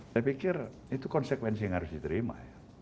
saya pikir itu konsekuensi yang harus diterima ya